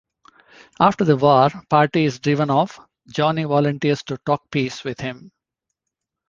After the war party is driven off, Johnny volunteers to talk peace with him.